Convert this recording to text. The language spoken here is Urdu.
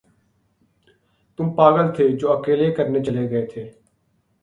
تم پاگل تھے جو اکیلے کرنے چلے گئے تھے۔